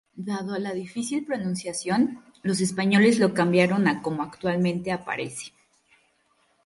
Dado a la difícil pronunciación, los españoles lo cambiaron a como actualmente aparece.